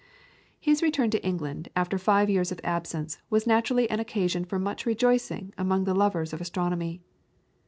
His return to England after five years of absence was naturally an occasion for much rejoicing among the lovers of astronomy.